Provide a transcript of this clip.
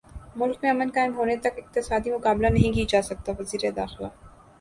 ملک میں امن قائم ہونےتک اقتصادی مقابلہ نہیں کیاجاسکتاوزیرداخلہ